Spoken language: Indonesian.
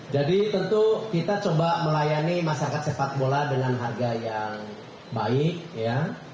jadi tentu kita coba melayani masyarakat sepak bola dengan harga yang baik ya